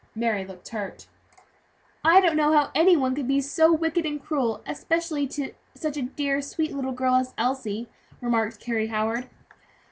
Mary looked hurt. "I don't know how any one could be so wicked and cruel; especially to such a dear, sweet little girl as Elsie," remarked Carry Howard.